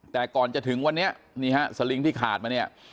แต่ก่อนจะถึงวันนี้นี่ฮะสลิงที่ขาดมาเนี่ย